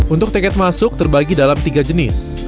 untuk tiket masuk terbagi dalam tiga jenis